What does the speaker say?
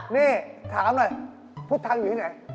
นี่ถามหน่อยพุทธทางอยู่ที่ไหน